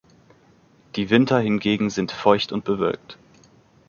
Die Winter hingegen sind feucht und bewölkt.